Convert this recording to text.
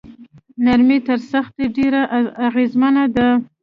نرمي تر سختۍ ډیره اغیزمنه ده.